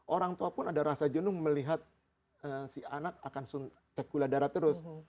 orang tua pun ada rasa jenuh melihat si anak akan cek gula darah terus